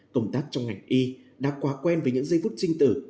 công tác trong ngành y đã quá quen với những giây phút sinh tử